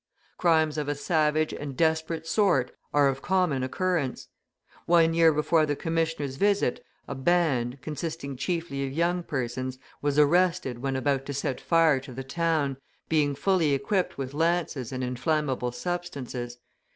Crimes of a savage and desperate sort are of common occurrence; one year before the commissioner's visit, a band, consisting chiefly of young persons, was arrested when about to set fire to the town, being fully equipped with lances and inflammable substances.